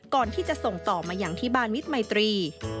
ก่อนที่จะส่งต่อมาอย่างที่บ้านมิตรมัยตรี